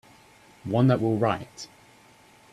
One that will write.